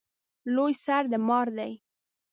لوی سر د مار دی